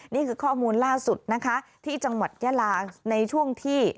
นี่คือข้อมูลล่าสุดนะคะที่จังหวัดยาลาในช่วงที่